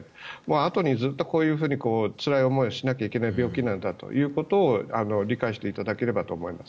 あとにずっとつらい思いをしなきゃいけない病気なんだということを理解していただければと思います。